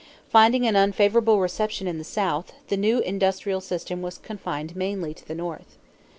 Finding an unfavorable reception in the South, the new industrial system was confined mainly to the North.